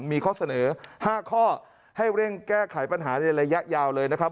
มีข้อเสนอ๕ข้อให้เร่งแก้ไขปัญหาในระยะยาวเลยนะครับ